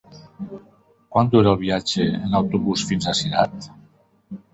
Quant dura el viatge en autobús fins a Cirat?